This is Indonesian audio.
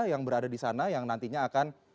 yang berada disana yang nantinya akan